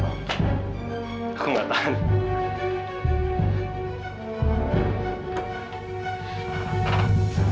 aku gak tahan